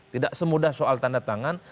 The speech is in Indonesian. tidak semudah soal tanda tangan